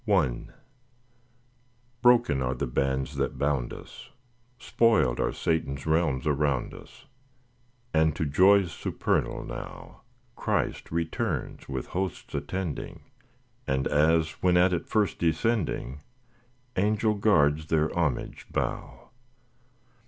(See p. 49.) I Broken are the bands that bound us, Spoiled are Satan's realms around us, And to joys supernal now, Christ returns with hosts attending, And, as when at first descending, Angel guards their homage bow.